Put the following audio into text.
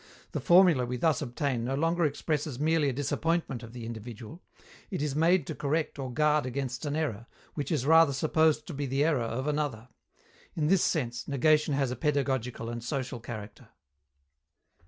The formula we thus obtain no longer expresses merely a disappointment of the individual; it is made to correct or guard against an error, which is rather supposed to be the error of another. In this sense, negation has a pedagogical and social character.